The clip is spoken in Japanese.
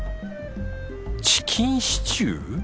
チキン・シチュー？